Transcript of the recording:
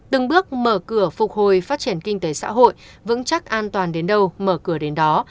từng bước mở cửa phục hồi phát triển kinh tế xã hội vững chắc an toàn đến đâu mở cửa đến đó